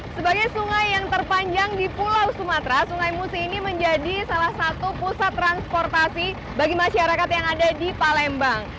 sebagai sungai yang terpanjang di pulau sumatera sungai musi ini menjadi salah satu pusat transportasi bagi masyarakat yang ada di palembang